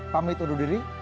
pamit undur diri